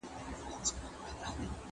ځانه! پای به مو خبره شور ته اوړي